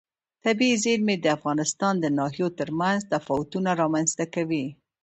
طبیعي زیرمې د افغانستان د ناحیو ترمنځ تفاوتونه رامنځ ته کوي.